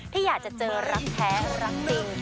ที่อยากจะเจอรักแท้รักจริง